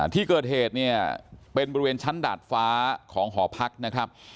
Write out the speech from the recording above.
ที่เกิดเหตุเนี่ยเป็นบริเวณชั้นดาดฟ้าของหอพักนะครับ